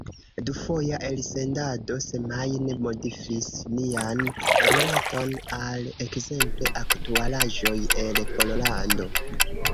Dufoja elsendado semajne modifis nian rilaton al ekzemple aktualaĵoj el Pollando.